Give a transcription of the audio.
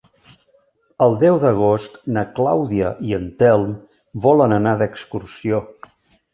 El deu d'agost na Clàudia i en Telm volen anar d'excursió.